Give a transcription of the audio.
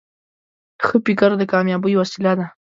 ښه فکر د کامیابۍ وسیله ده.